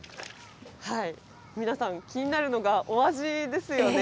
皆さん気になるのが、お味ですよね。